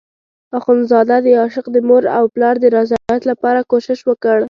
اخندزاده د عاشق د مور او پلار د رضایت لپاره کوشش وکړ.